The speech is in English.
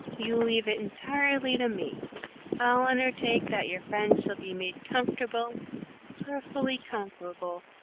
"You leave it entirely to me. I'll unnertake that your friends shall be made comforrable, perfelly comforrable.